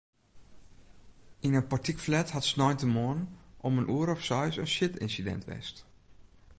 Yn in portykflat hat sneintemoarn om in oere of seis in sjitynsidint west.